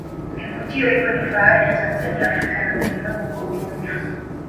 vivutio hivyo ni fahari ya tanzania africa na ulimwengu kwa ujumla